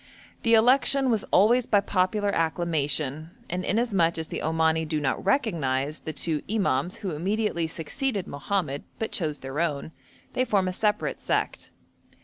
The election was always by popular acclamation, and inasmuch as the Omani do not recognise the two 'imams' who immediately succeeded Mohammed, but chose their own, they form a separate sect.